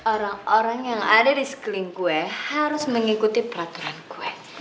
orang orang yang ada di sekeliling gue harus mengikuti peraturan kue